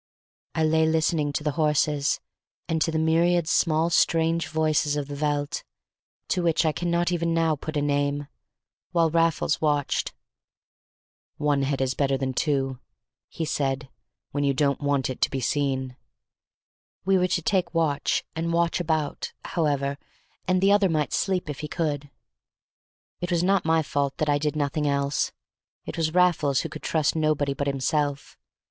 I lay listening to the horses, and to the myriad small strange voices of the veldt, to which I cannot even now put a name, while Raffles watched. "One head is better than two," he said, "when you don't want it to be seen." We were to take watch and watch about, however, and the other might sleep if he could; it was not my fault that I did nothing else; it was Raffles who could trust nobody but himself.